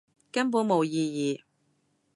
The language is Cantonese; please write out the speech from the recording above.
根本冇意義